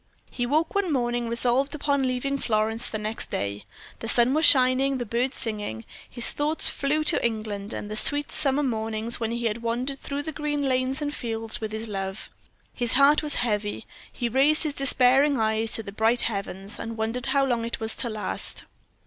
He woke one morning resolved upon leaving Florence the next day. The sun was shining, the birds singing; his thoughts flew to England and the sweet summer mornings when he had wandered through the green lanes and fields with his love. His heart was heavy. He raised his despairing eyes to the bright heavens, and wondered how long it was to last.